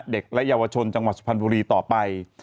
เด็กและเยาวชนจังหวัดสุพรรณบุรีต่อไป